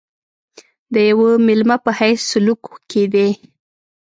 د یوه مېلمه په حیث سلوک کېدی.